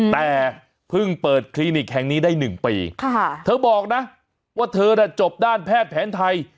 แต่เพิ่งเปิดคลินิกแห่งนี้ได้๑ปีเธอบอกนะว่าเธอน่ะจบด้านแพทย์แผนไทย